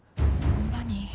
何？